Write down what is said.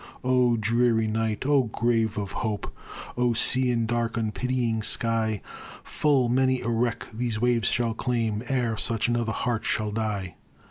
O dreary night! O grave of hope! O sea, and dark, unpitying sky! Full many a wreck these waves shall claim Ere such another heart shall die.